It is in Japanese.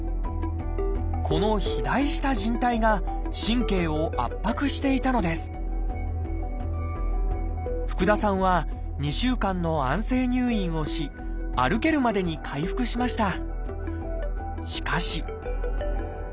この肥大したじん帯が神経を圧迫していたのです福田さんは２週間の安静入院をし歩けるまでに回復しました。